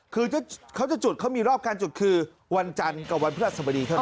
คือเขาจะจุดเขามีรอบการจุดคือวันจันทร์กับวันพฤหัสบดีเท่านั้น